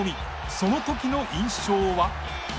その時の印象は？